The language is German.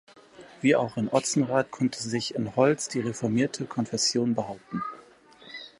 Wie auch in Otzenrath konnte sich in Holz die reformierte Konfession behaupten.